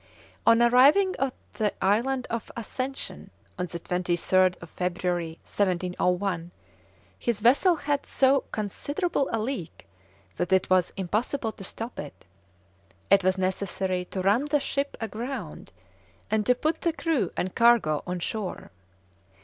On arriving at the Island of Ascension on the 23rd of February, 1701, his vessel had so considerable a leak that it was impossible to stop it. It was necessary to run the ship aground and to put the crew and cargo on shore.